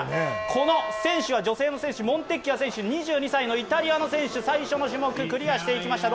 この選手は女性の選手、モンテキア選手、２２歳のイタリアの選手、最初の種目、クリアしていきました。